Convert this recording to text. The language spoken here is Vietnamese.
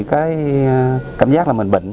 cái cảm giác là mình bệnh